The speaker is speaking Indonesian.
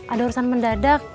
ada urusan mendadak